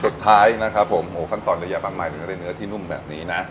สุดท้ายนะครับผมโหขั้นตอนระยะปรับใหม่ด้วยเนื้อที่นุ่มแบบนี้นะ